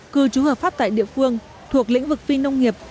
cư trú hợp pháp tại địa phương thuộc lĩnh vực phi nông nghiệp